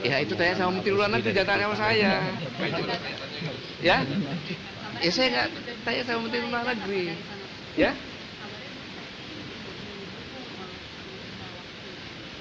pak kan beberapa hari lalu menteri luar negeri beberapa pertemuan